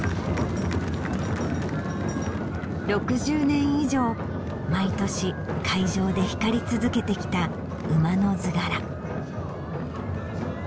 ６０年以上毎年会場で光り続けてきた馬の図柄。